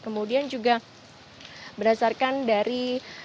kemudian juga berdasarkan dari